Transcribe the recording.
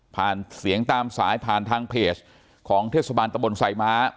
เสียงตามสายผ่านทางเพจของเทศบาลตะบนไซม้า